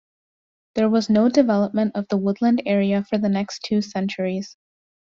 There was no development of the woodland area for the next two centuries.